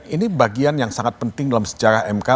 ini bagian yang sangat penting dalam sejarah mk